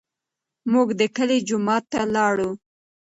موږ د کلي جومات ته لاړو.